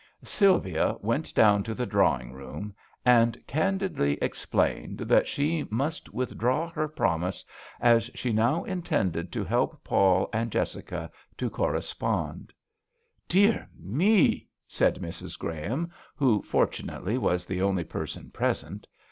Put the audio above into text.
Sylvia went down to the drawing room and candidly explained that she must withdraw her promise, as she now intended to help Paul and Jessica to correspond. "Dear me! " said Mrs. Graham, who, fortunately, was the only person present.